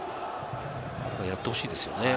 やってほしいですよね。